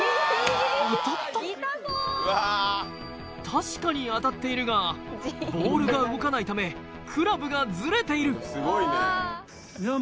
確かに当たっているがボールが動かないためクラブがずれているいや